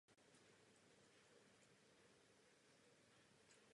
Na katastru obce jsou čtyři archeologické lokality.